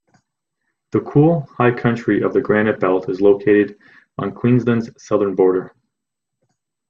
The cool, high country of the granite belt is located on Queensland's southern border.